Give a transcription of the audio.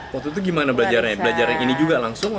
waktu itu gimana belajarnya belajar yang ini juga langsung